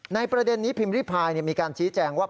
ประเด็นนี้พิมพ์ริพายมีการชี้แจงว่า